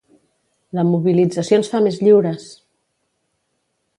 La mobilització ens fa més lliures!